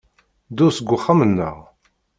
Ddu seg uxxam-nneɣ.